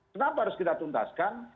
kenapa harus kita tuntaskan